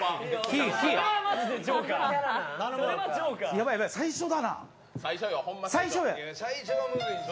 やばいやばい、最初だな。